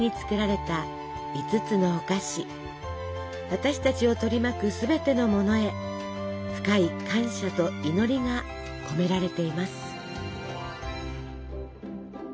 私たちを取り巻くすべてのものへ深い感謝と祈りが込められています。